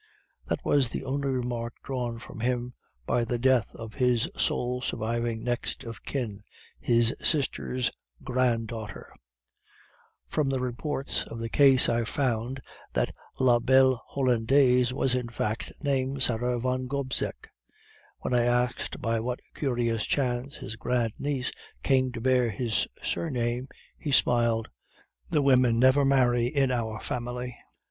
"That was the only remark drawn from him by the death of his sole surviving next of kin, his sister's granddaughter. From reports of the case I found that La belle Hollandaise was in fact named Sara Van Gobseck. When I asked by what curious chance his grandniece came to bear his surname, he smiled: "'The women never marry in our family.